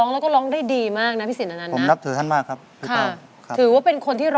ตัววี้เดียวสวัสดี